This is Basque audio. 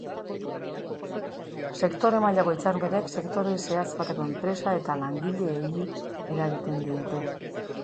Sektore mailako hitzarmenek sektore zehatz bateko enpresa eta langileei eragiten diete.